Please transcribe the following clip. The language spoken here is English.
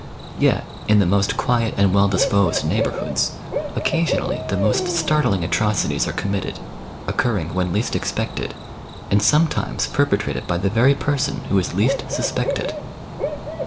Yet, in the most quiet and well disposed neighbourhoods, occa sionally the most startling atrocities are committed, occurring when least expected, and sometimes perpe trated by the very person who is least suspected.